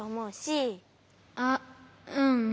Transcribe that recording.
あっうん。